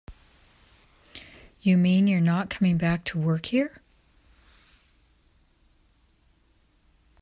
You mean you're not coming back to work here?